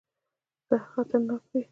زهر خطرناک دی.